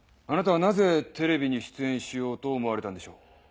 あなたはなぜテレビに出演しようと思われたんでしょう？